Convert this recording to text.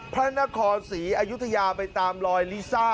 พระนครศรีอยุธยาไปตามลอยลิซ่า